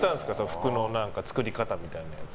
服の作り方みたいな。